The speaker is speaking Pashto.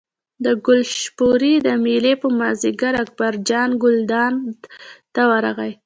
د کلشپورې د مېلې په مازدیګر اکبرجان ګلداد ته ورغی.